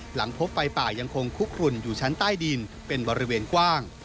หลังพบไฟป่ายังคงคุกคลุ่นอยู่ชั้นใต้ดินเป็นบริเวณกว้าง